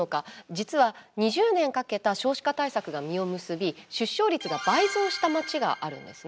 実は、２０年かけた少子化対策が実を結び出生率が倍増した町があるんです。